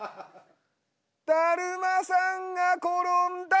だるまさんが転んだ！